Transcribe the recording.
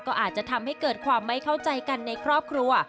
ก็อาจจะทำให้เกิดความไม่เข้าใจกันในครอบครัว